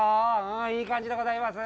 いい感じでございます。